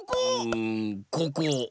うんここ！